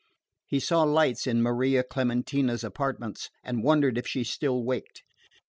He saw lights in Maria Clementina's apartments and wondered if she still waked.